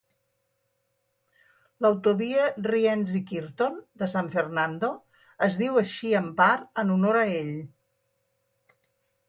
L'autovia Rienzi-Kirton de San Fernando es diu així en part en honor a ell.